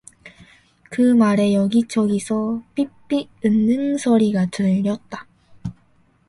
그 말에 여기저기서 픽픽 웃는 소리가 들렸다.